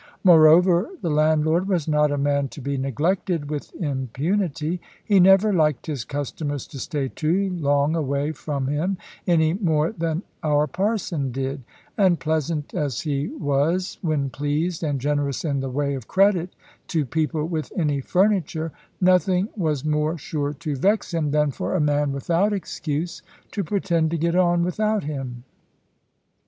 Moreover, the landlord was not a man to be neglected with impunity. He never liked his customers to stay too long away from him, any more than our parson did; and pleasant as he was when pleased, and generous in the way of credit to people with any furniture, nothing was more sure to vex him, than for a man without excuse, to pretend to get on without him.